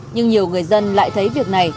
nhưng nhiều người dân lại thấy việc này